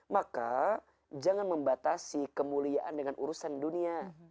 maka jangan membatasi kemuliaan dengan urusan dunia